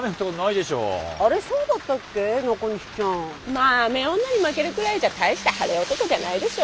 まあ雨女に負けるくらいじゃ大した晴れ男じゃないでしょ。